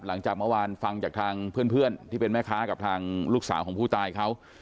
หลังจากเมื่อวานฟังจากทางเพื่อนที่เป็นแม่ค้ากับทางลูกสาวของผู้ตายเขา